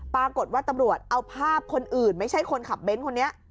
ปรากฏว่าตำรวจเอาภาพคนอื่นไม่ใช่คนขับเน้นคนนี้